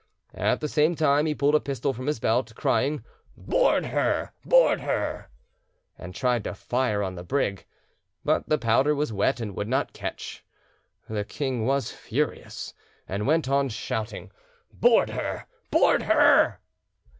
At the same time, he pulled a pistol from his belt, crying "Board her! board her!" and tried to fire on the brig, but the powder was wet and would not catch. The king was furious, and went on shouting "Board her! board her!"